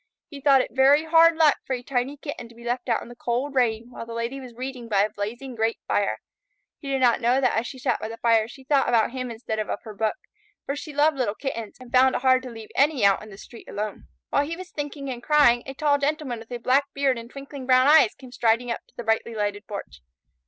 He thought it very hard luck for a tiny Kitten to be left out in the cold rain while the Lady was reading by a blazing grate fire. He did not know that as she sat by the fire she thought about him instead of her book, for she loved little Kittens, and found it hard to leave any out in the street alone. While he was thinking and crying, a tall Gentleman with a black beard and twinkling brown eyes came striding up to the brightly lighted porch.